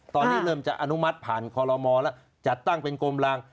ตอนนี้เริ่มจะอนุมัติผ่านคอลโลมอแล้วจัดตั้งเป็นกรมราง